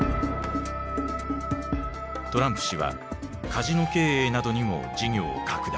トランプ氏はカジノ経営などにも事業を拡大。